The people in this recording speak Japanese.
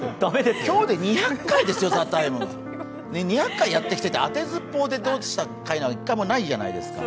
今日で２００回ですよ、「ＴＨＥＴＩＭＥ，」２００回やってきてて当てずっぽうでっていう回ないじゃないですか。